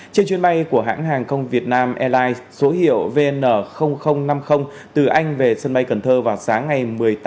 trên chuyến bay của hãng hàng không việt nam airlines số hiệu vn năm mươi từ anh về sân bay cần thơ vào sáng ngày một mươi tám